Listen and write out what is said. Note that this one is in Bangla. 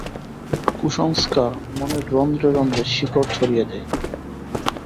কুসংস্কার মনের রন্ধ্রে রন্ধ্রে শিকড় ছড়িয়ে দেয়।